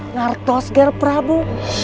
nartos nger prabu